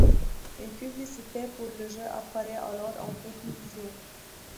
Une publicité pour le jeu apparait alors en conclusion.